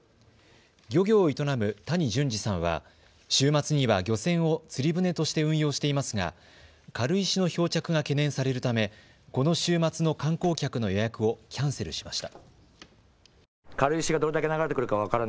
漁業を営む谷順二さんは週末には漁船を釣り船として運用していますが軽石の漂着が懸念されるためこの週末の観光客の予約をキャンセルしました。